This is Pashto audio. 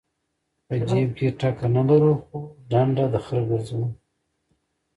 په جیب کې ټکه نه لرو خو ډنډه د خره ګرځو.